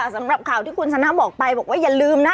สำหรับข่าวที่คุณชนะบอกไปบอกว่าอย่าลืมนะ